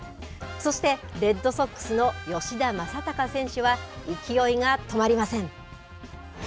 そして、レッドソックスの吉田正尚選手は、勢いが止まりません。